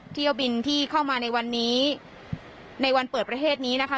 เที่ยวบินที่เข้ามาในวันนี้ในวันเปิดประเทศนี้นะคะ